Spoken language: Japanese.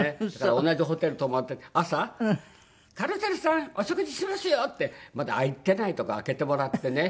同じホテル泊まって朝「カルーセルさんお食事しますよ！」ってまだ開いてないとこ開けてもらってね。